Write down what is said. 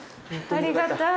ありがたい。